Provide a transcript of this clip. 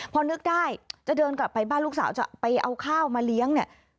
พอนึกได้จะเดินกลับไปบ้านลูกสาวจะไปเอาข้าวมาเลี้ยงเนี่ย